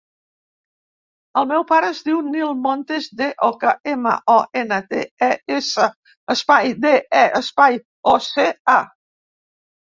El meu pare es diu Nil Montes De Oca: ema, o, ena, te, e, essa, espai, de, e, espai, o, ce, a.